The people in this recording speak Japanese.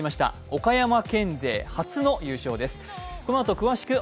岡山県勢初の優勝です。